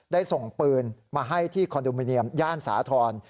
ได้ส่งปืนมาให้ที่คอนโดมิเนียมย่านสาธรณ์